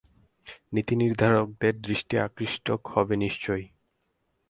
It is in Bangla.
নীতিনির্ধারকদের দৃষ্টি আকৃষ্ট হবে নিশ্চয়ই।